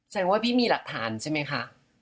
แสดงว่าพี่มีหลักฐานใช่ไหมคะ